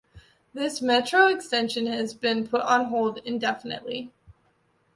This Metro extension has been put on hold indefinitely.